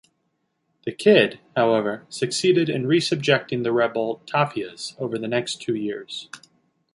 The Cid, however, succeeded in re-subjecting the rebel Taifas over next two years.